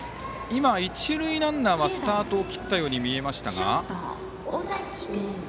今、一塁ランナーはスタートを切ったように見えましたが。